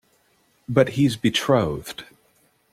But he's betrothed.